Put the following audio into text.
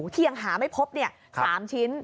ที่ยังหาไม่พบ๓ชิ้น